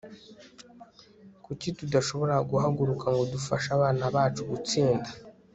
kuki tudashobora guhaguruka ngo dufashe abana bacu gutsinda